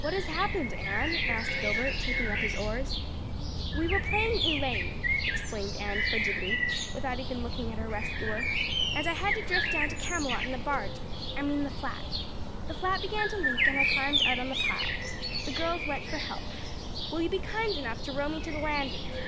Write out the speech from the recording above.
"What has happened, Anne?" asked Gilbert, taking up his oars. "We were playing Elaine," explained Anne frigidly, without even looking at her rescuer, "and I had to drift down to Camelot in the barge I mean the flat. The flat began to leak and I climbed out on the pile. The girls went for help. Will you be kind enough to row me to the landing?"